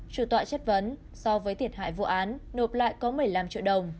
chủ tọa chất vấn so với thiệt hại vụ án nộp lại có một mươi năm triệu đồng